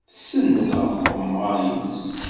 Tsenned ɣef tɣemmar-nnes.